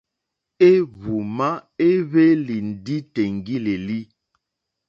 Éhwùmá éhwélì ndí tèŋɡí!lélí.